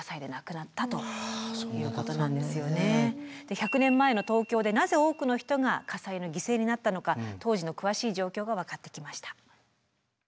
１００年前の東京でなぜ多くの人が火災の犠牲になったのか当時の詳しい状況が分かってきました。